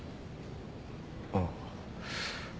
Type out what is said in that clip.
ああ。